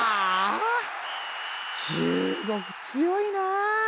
中国強いな。